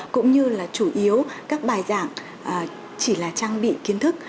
cũng như là chủ yếu các bài giảng chỉ là trang bị kiến thức